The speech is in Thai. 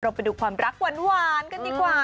ไปดูความรักหวานกันดีกว่า